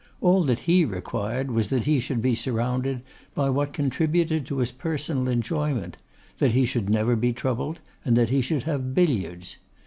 All that he required was that he should be surrounded by what contributed to his personal enjoyment, that he should never be troubled, and that he should have billiards.